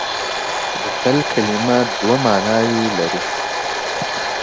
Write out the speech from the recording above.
د تل کلمه دوه ماناوې لري.